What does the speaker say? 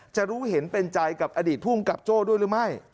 จะรู้เห็นเป็นใจกับอดีตภูมิกับโจ้ด้วยหรือไม่